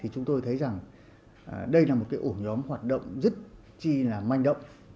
chúng tôi thấy rằng đây là một ổ nhóm hoạt động rất chi là manh động